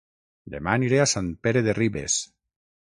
Dema aniré a Sant Pere de Ribes